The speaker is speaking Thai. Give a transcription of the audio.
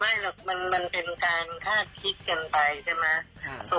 ไม่หรอกมันเป็นการคาดคิดกันไปใช่ไหม